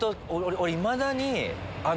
俺いまだに。